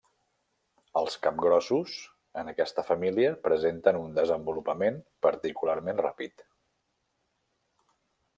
Els capgrossos en aquesta família presenten un desenvolupament particularment ràpid.